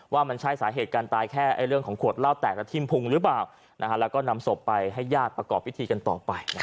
ว่ามันใช่สาเหตุการตายแค่เรื่องของขวดเหล้าแต่ละทิ่มพุงหรือเปล่าแล้วก็นำศพไปให้ญาติประกอบพิธีกันต่อไป